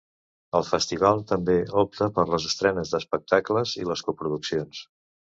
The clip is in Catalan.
El festival també opta per les estrenes d’espectacles i les coproduccions.